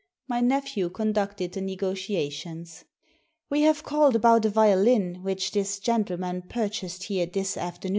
My nephew conducted the negotiations. i "We have called about a violin which this gentle man purchased here^his afternoon."